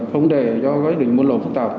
không để cho đỉnh buôn lậu phức tạp